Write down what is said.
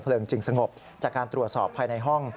จึงสงบจากการตรวจสอบภายในห้อง